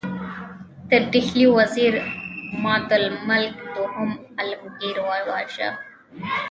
د ډهلي وزیر عمادالملک دوهم عالمګیر وواژه.